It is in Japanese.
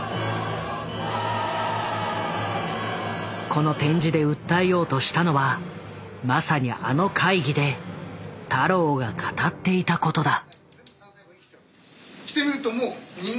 この展示で訴えようとしたのはまさにあの会議で太郎が語っていたことだ。